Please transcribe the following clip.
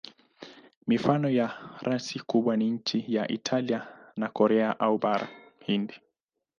Mifano ya rasi kubwa ni nchi za Italia na Korea au Bara Hindi.